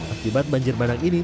akibat banjir bandang ini